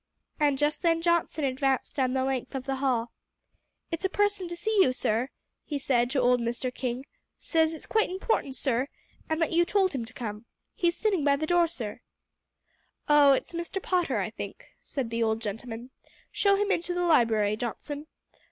And just then Johnson advanced down the length of the hall. "It's a person to see you, sir," he said to old Mr. King, "says it's quite important, sir, and that you told him to come. He's sitting by the door, sir." "Oh, it's Mr. Potter, I think," said the old gentleman; "show him into the library, Johnson.